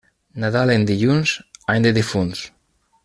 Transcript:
Nadal en dilluns, any de difunts.